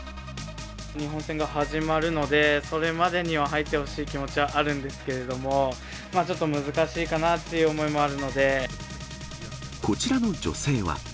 日本戦が始まるので、それまでには入ってほしい気持ちはあるんですけども、ちょっと難こちらの女性は。